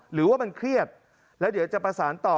หรือว่ามันเครียดแล้วเดี๋ยวจะประสานต่อ